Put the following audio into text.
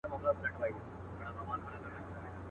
څانګه یم وچېږمه، ماتېږم ته به نه ژاړې.